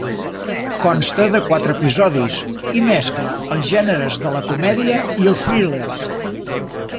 Consta de quatre episodis i mescla els gèneres de la comèdia i el thriller.